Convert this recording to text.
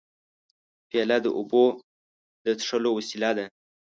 پیاله د اوبو د څښلو وسیله ده.